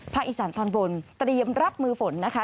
อีสานตอนบนเตรียมรับมือฝนนะคะ